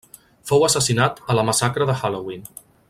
Fou assassinat a la massacre de Halloween.